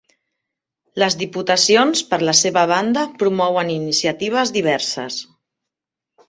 Les diputacions, per la seva banda, promouen iniciatives diverses.